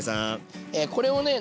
これをね